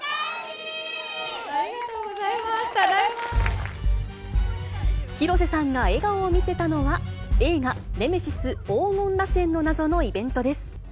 ありがとうございます、広瀬さんが笑顔を見せたのは、映画ネメシス黄金螺旋の謎のイベントです。